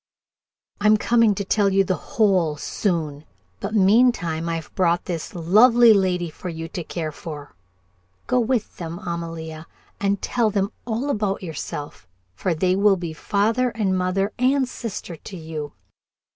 "I'm coming to tell you the whole, soon, but meantime I've brought this lovely young lady for you to care for. Go with them, Amalia, and tell them all about yourself, for they will be father and mother and sister to you.